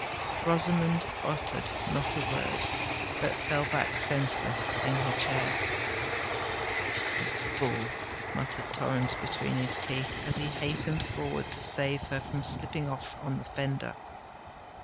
Rosamond uttered not a word, but fell back senseless in her chair. "Obstinate fool!" muttered Torrens between his teeth, as he hastened forward to save her from slipping off on the fender.